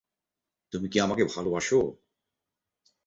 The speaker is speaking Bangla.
তুমি কি আমাকে ভালোবাসো?